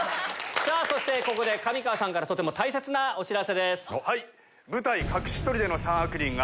そしてここで上川さんからとても大切なお知らせです。